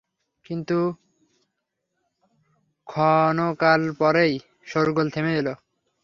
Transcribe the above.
কিন্তু ক্ষণকাল পরেই শোরগোল থেমে এল।